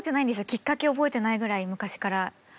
きっかけ覚えてないぐらい昔から。